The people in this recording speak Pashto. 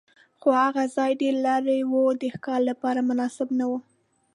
خو هغه ځای ډېر لرې و، د ښکار لپاره مناسب نه و.